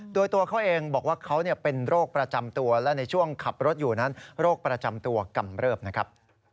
โดยตัวเขาเองบอกว่าเขาเป็นโรคประจำตัวและในช่วงขับรถอยู่นั้นโรคประจำตัวกำเริบนะครับ